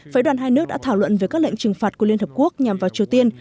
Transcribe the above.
phái đoàn hai nước đã thảo luận về các lệnh trừng phạt của liên hợp quốc nhằm vào triều tiên